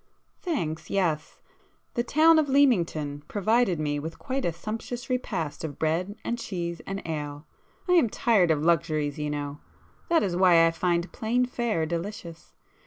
"Thanks, yes. The town of Leamington provided me with quite a sumptuous repast of bread and cheese and ale. I am tired of luxuries you know,—that is why I find plain fare delicious.